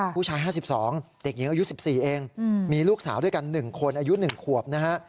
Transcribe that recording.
ผู้ชาย๕๒เด็กหญิงอายุ๑๔เองมีลูกสาวด้วยกัน๑คนอายุ๑ขวบนะฮะ